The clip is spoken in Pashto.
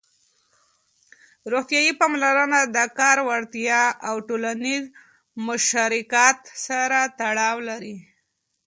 روغتيايي پاملرنه د کار وړتيا او ټولنيز مشارکت سره تړاو لري.